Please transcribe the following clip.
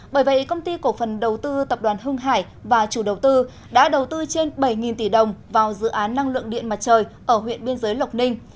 bởi vậy công ty cổ phần đầu tư tập đoàn hưng hải và chủ đầu tư đã đầu tư trên bảy tỷ đồng vào dự án năng lượng điện mặt trời ở huyện biên giới lộc ninh